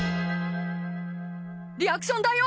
リアクション大王！